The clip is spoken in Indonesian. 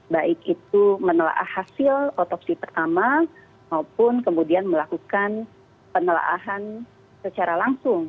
baik itu menelah hasil otopsi pertama maupun kemudian melakukan penelaahan secara langsung